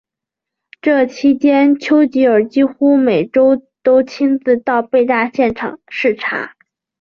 这期间丘吉尔几乎每周都亲自到被炸现场视察。